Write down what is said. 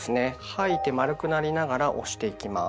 吐いて丸くなりながら押していきます。